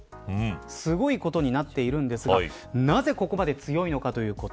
すごいことになっているんですがなぜここまで強いのかということ。